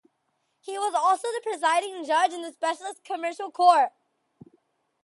He was also the presiding judge in the specialist Commercial Court.